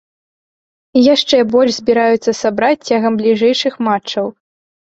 І яшчэ больш збіраюцца сабраць цягам бліжэйшых матчаў.